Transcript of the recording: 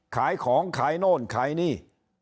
ขายของขายโน่นขายนี่